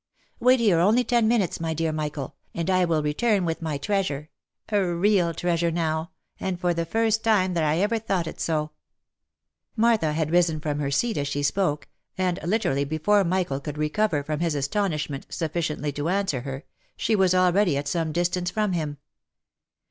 Wait here only ten minutes, my dear Michael, and I will return with my treasure — a real treasure now, and for the first time that I ever thought it so !" Martha had risen from her seat as she spoke, and literally before Michael could recover from his atonishment sufficiently to answer her, she was already at some distance from him.